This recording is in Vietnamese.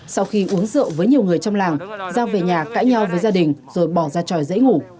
sau khi uống rượu với nhiều người trong làng giao về nhà cãi nhau với gia đình rồi bỏ ra tròi dãy ngủ